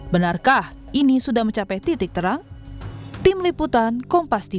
benarkah ini sudah mencapai titik terang